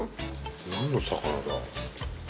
何の魚だ？